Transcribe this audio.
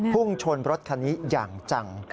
พุ่งชนรถคันนี้อย่างจัง